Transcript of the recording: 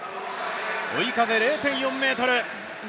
追い風０．４メートル。